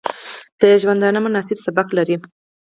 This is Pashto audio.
د ژوندانه مناسب سبک لري